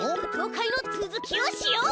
かいのつづきをしよう！